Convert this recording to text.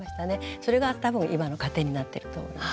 それが多分今の糧になってると思います。